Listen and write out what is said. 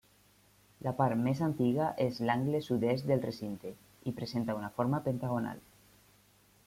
La part més antiga és l'angle sud-est del recinte, i presenta una forma pentagonal.